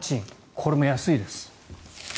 これも安いです。